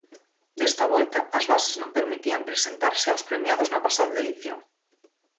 Desta volta, as bases non permitían presentarse aos premiados na pasada edición.